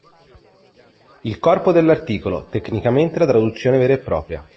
Il corpo dell'articolo, tecnicamente la traduzione vera e propria.